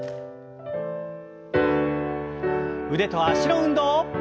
腕と脚の運動。